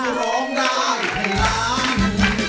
ถ้าตอบถูกเป็นคนแรกขึ้นมาเลย